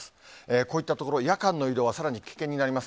こういった所、夜間の移動はさらに危険になります。